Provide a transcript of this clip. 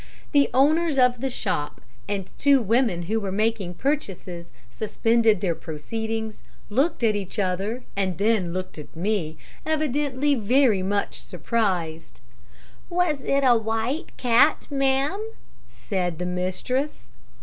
"The owners of the shop, and two women who were making purchases, suspended their proceedings, looked at each other and then looked at me, evidently very much surprised. "'Was it a white cat, ma'am?' said the mistress.